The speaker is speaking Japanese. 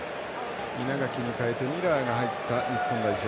稲垣に代えてミラーが入った日本代表。